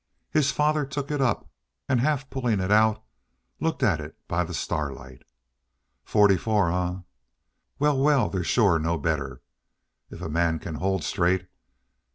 His father took it up and, half pulling it out, looked at it by the starlight. "Forty four, eh? Wal, wal, there's shore no better, if a man can hold straight."